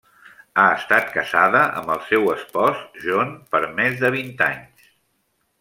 Ha estat casada amb el seu espòs John per més de vint anys.